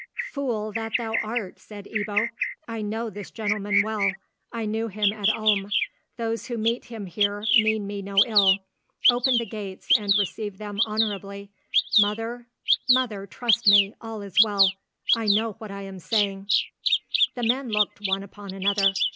"Fool that thou art!" said Ebbo. "I know this gentleman well. I knew him at Ulm. Those who meet him here mean me no ill. Open the gates and receive them honourably! Mother, mother, trust me, all is well. I know what I am saying." The men looked one upon another.